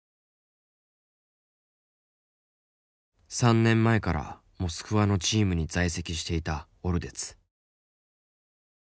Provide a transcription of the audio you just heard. ３年前からモスクワのチームに在籍していたオルデツ。